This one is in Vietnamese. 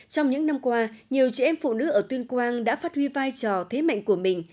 trong những năm qua nhiều chị em phụ nữ ở tuyên quang đã phát huy vai trò thế mạnh của mình